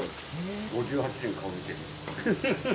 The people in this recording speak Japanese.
５８年顔見てる。